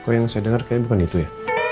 kalau yang saya dengar kayaknya bukan itu ya